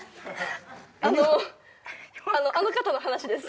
あのあの方の話です。